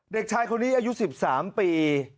เด็กชายคนนี้อายุ๑๓ปี